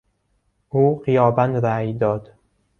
او غیابا رای داد.